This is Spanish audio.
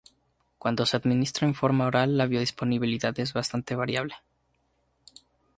Cuando se administra en forma oral la biodisponibilidad es bastante variable.